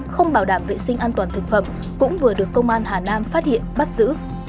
không bảo đảm vệ sinh an toàn thực phẩm cũng vừa được công an hà nam phát hiện bắt giữ